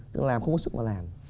tức là làm không có sức mà làm